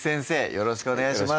よろしくお願いします